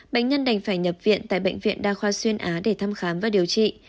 bệnh nhân đành phải nhập viện tại bệnh viện đa khoa xuyên á để thăm khám và điều trị